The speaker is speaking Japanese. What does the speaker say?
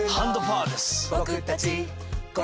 ハンドパワーです。